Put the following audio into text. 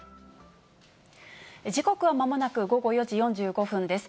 時刻はまもなく午後４時４５分です。